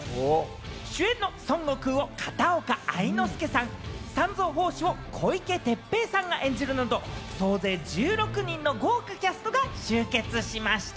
主演の孫悟空を片岡愛之助さん、三蔵法師を小池徹平さんが演じるなど、総勢１６人の豪華キャストが集結しました。